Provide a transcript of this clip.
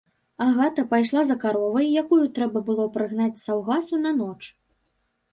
Агата пайшла за каровай, якую трэба было прыгнаць з саўгасу на ноч.